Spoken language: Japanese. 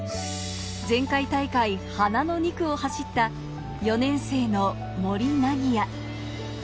前回大会、花の２区を走った４年生の森凪也。